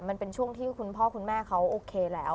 มันเป็นช่วงที่คุณพ่อคุณแม่เขาโอเคแล้ว